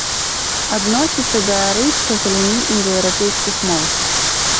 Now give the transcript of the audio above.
Адносіцца да арыйскай галіны індаеўрапейскіх моў.